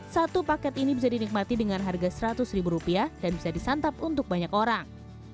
satu paket ini bisa dinikmati dengan harga seratus ribu rupiah dan bisa disantap untuk banyak orang